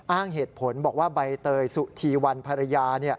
อ้างเหตุผลบอกว่าใบเตยสุธีวันภรรยา